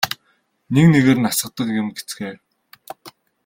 Нэг нэгээр нь асгадаг юм гэцгээв.